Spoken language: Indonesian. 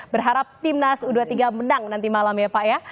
berharap timnas u dua puluh tiga menang nanti malam ya pak ya